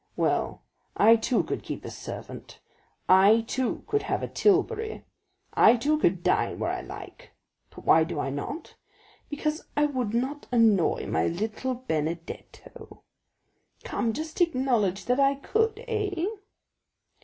Well, I too could keep a servant; I too could have a tilbury; I too could dine where I like; but why do I not? Because I would not annoy my little Benedetto. Come, just acknowledge that I could, eh?"